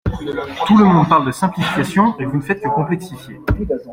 Tout le monde parle de simplification, et vous ne faites que complexifier.